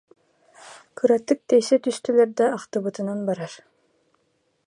Кыратык тэйсэ түстүлэр да ахтыбытынан барар